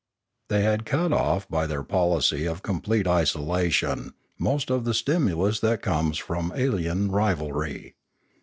They had cut off by their policy of complete isola tion most of the stimulus that comes from alien rivalry.